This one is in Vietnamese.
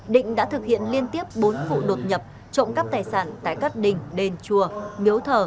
định đã thực hiện liên tiếp bốn vụ đột nhập trộm cắp tài sản tại các đình đền chùa miếu thờ